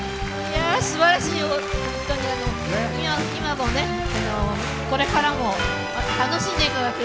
すばらしい本当に今も、これからも楽しんでいただけたら。